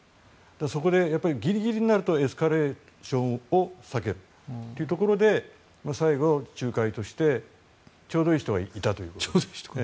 そこで、ギリギリになるとエスカレーションを避けるというところで最後、仲介としてちょうどいい人がいたという。